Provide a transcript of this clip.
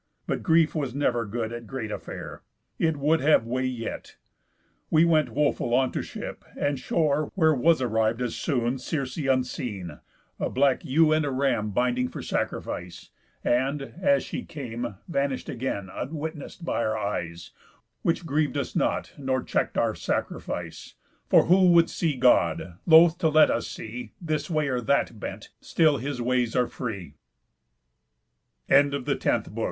But grief was never good at great affair; It would have way yet. We went woful on To ship and shore, where was arriv'd as soon Circe unseen, a black ewe and a ram Binding for sacrifice, and, as she came, Vanish'd again unwitness'd by our eyes; Which griev'd not us, nor check'd our sacrifice, For who would see God, loth to let us see, This way or that bent; still his ways are free. FINIS DECIMI LIBRI HOM.